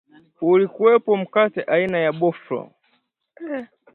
ulikuwepo mkate aina ya boflo